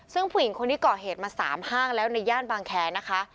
ซึ่งผู้หญิงคนนี้ก่อเหตุมา๓ห้างแล้วในย่านบางแคนะคะ